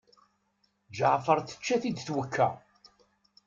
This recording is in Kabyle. Ǧeɛfer tečča-t-id twekka.